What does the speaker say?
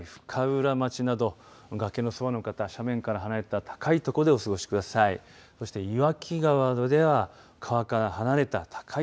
深浦町など崖のそばの方、斜面から離れた高い所でお過ごしください。